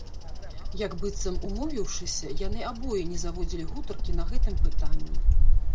Як быццам умовіўшыся, яны абое не заводзілі гутаркі на гэтым пытанні.